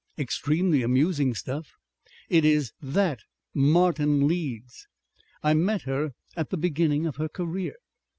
"Extremely amusing stuff." "It is that Martin Leeds. I met her at the beginning of her career.